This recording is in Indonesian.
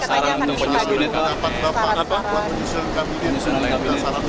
minta saran untuk penyusunan kabinet